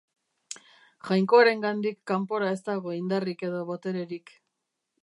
Jainkoarengandik kanpora ez dago indarrik edo botererik.